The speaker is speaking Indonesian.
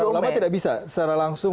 ulama tidak bisa secara langsung